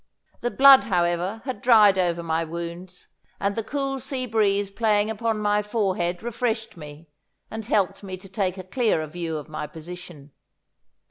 The blood, however, had dried over my wounds, and the cool sea breeze playing upon my forehead refreshed me, and helped me to take a clearer view of my position.